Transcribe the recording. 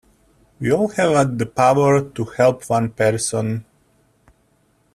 We all have the power to help one person.